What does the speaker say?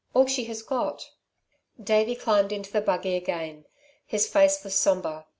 All she has got." Davey climbed into the buggy again. His face was sombre.